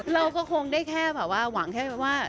เราก็คงได้แค่หวังว่า